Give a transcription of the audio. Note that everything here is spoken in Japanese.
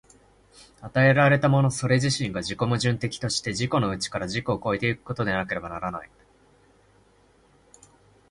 与えられたものそれ自身が自己矛盾的として、自己の内から自己を越え行くことでなければならない。